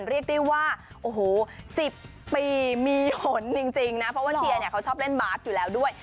เรียกได้ว่าโอ้โห๑๐ปีมีหนจริงนะเพราะว่าเชียร์เนี่ยเขาชอบเล่นบาสอยู่แล้วด้วย